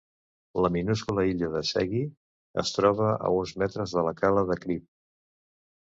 La minúscula illa de Seghy es troba a uns metres de la Cala de Cripp.